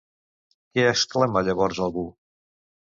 Què exclama llavors algú?